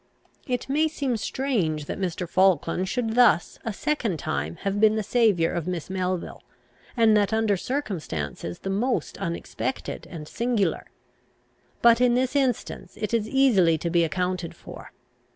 It may seem strange that Mr. Falkland should thus a second time have been the saviour of Miss Melville, and that under circumstances the most unexpected and singular. But in this instance it is easily to be accounted for.